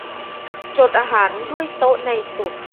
จดอาหารด้วย โต๊ะในสุด